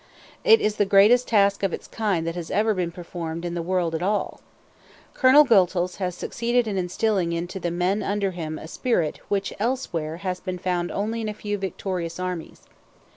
It is the greatest task of its own kind that has ever been performed in the world at all. Colonel Goethals has succeeded in instilling into the men under him a spirit which elsewhere has been found only in a few victorious armies.